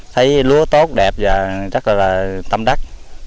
thấy lúa tốt đẹp và rất là tâm đắc